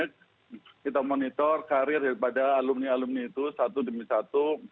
kita monitor karir daripada alumni alumni itu satu demi satu